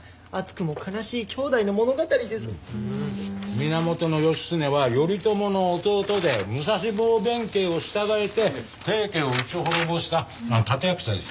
源義経は頼朝の弟で武蔵坊弁慶を従えて平家を討ち滅ぼした立役者です。